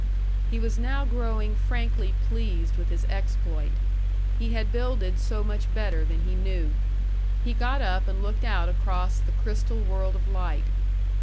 He was now growing frankly pleased with his exploit. He had builded so much better than he knew. He got up and looked out across the crystal world of light.